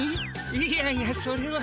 いやいやそれは。